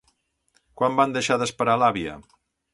Quan van deixar d'esperar l'àvia?